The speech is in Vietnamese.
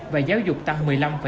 và giáo dục tăng năm hai mươi năm